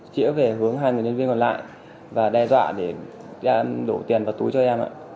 chỉa về hướng hai người nhân viên còn lại và đe dọa để đổ tiền vào túi cho em ạ